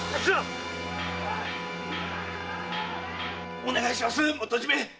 お願いします元締。